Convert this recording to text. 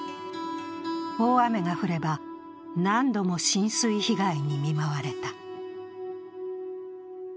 大雨が降れば、何度も浸水被害に見舞われた。